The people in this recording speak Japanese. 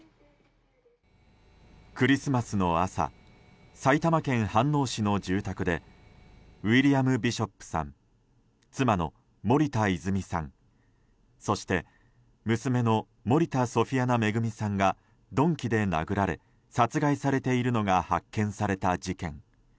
クリスマスの朝埼玉県飯能市の住宅でウィリアム・ビショップさん妻の森田泉さんそして娘の森田ソフィアナ恵さんが鈍器で殴られ殺害されているのが発見された事件。